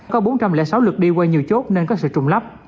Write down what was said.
có bốn trăm linh sáu lượt đi qua nhiều chốt nên có sự trùng lắp